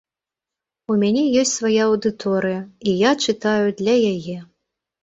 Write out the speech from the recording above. У мяне ёсць свая аўдыторыя, і я чытаю для яе.